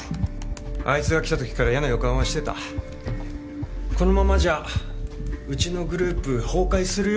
あいつが来た時から嫌な予感はしてたこのままじゃうちのグループ崩壊するよ